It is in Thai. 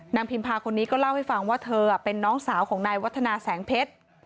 พิมพาคนนี้ก็เล่าให้ฟังว่าเธอเป็นน้องสาวของนายวัฒนาแสงเพชร